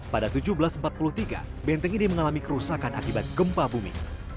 pada seribu tujuh ratus empat puluh tiga benteng ini mengalami kerusakan akibat gempa bumi